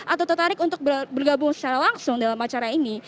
atau tertarik untuk bergabung secara langsung dalam acara ini